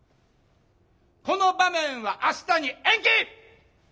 この場面は明日に延期！